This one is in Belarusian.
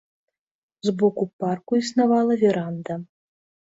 З боку парку існавала веранда.